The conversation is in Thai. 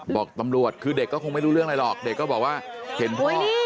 บอกตำรวจคือเด็กก็คงไม่รู้เรื่องอะไรหรอกเด็กก็บอกว่าเห็นพ่อ